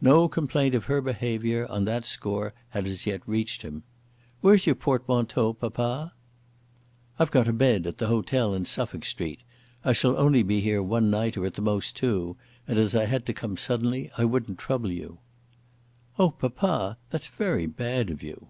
No complaint of her behaviour on that score had as yet reached him. "Where's your portmanteau, papa?" "I've got a bed at the hotel in Suffolk Street. I shall only be here one night, or at the most two; and as I had to come suddenly I wouldn't trouble you." "Oh, papa, that's very bad of you."